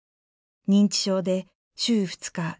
認知症で週２日